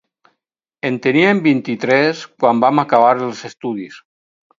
En teníem vint-i-tres quan vam acabar els estudis.